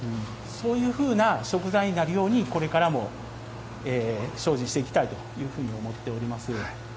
そういうふうな食材になるようにこれからも精進していきたいというふうに思っております。